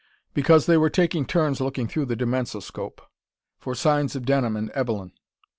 Because they were taking turns looking through the dimensoscope. For signs of Denham and Evelyn.